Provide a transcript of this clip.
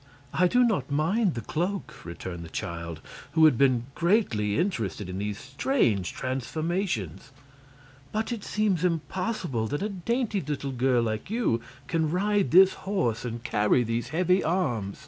"I do not mind the cloak," returned the child, who had been greatly interested in these strange transformations. "But it seems impossible that a dainty little girl like you can ride this horse and carry these heavy arms."